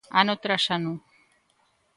Ano tras ano.